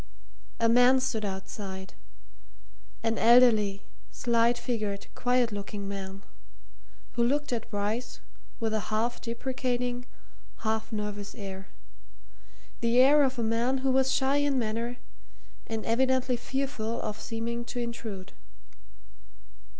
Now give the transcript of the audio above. A man stood outside an elderly, slight figured, quiet looking man, who looked at Bryce with a half deprecating, half nervous air; the air of a man who was shy in manner and evidently fearful of seeming to intrude.